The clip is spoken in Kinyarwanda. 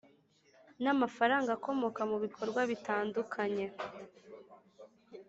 N’amafaranga akomoka mu bikorwa bitandukanye.